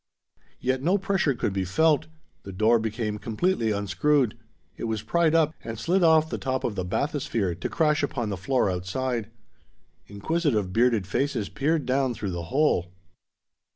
Yet no pressure could be felt. The door became completely unscrewed. It was pried up, and slid off the top of the bathysphere, to crash upon the floor outside. Inquisitive bearded faces peered down through the hole.